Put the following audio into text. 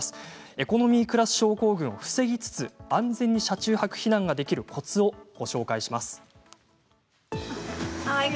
エコノミークラス症候群を防ぎつつ安全に車中泊避難ができるコツをご紹介します。